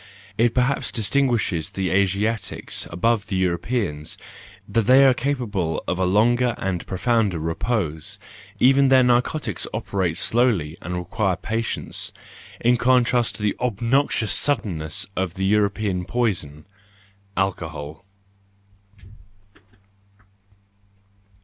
It perhaps distinguishes the Asiatics above the Euro¬ peans, that they are capable of a longer and pro¬ founder repose; even their narcotics operate slowly and require patience, in contrast to the obnoxious suddenness of the European poison, alcohol.